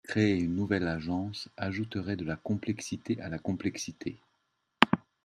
Créer une nouvelle agence ajouterait de la complexité à la complexité.